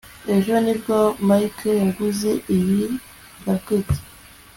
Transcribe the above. ejo nibwo mike yaguze iyi racket